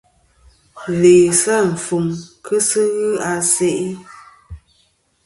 Laysɨ àfuŋ ki sɨ a se'i.